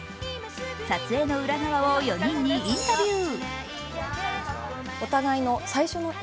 撮影の裏側を４人にインタビュー。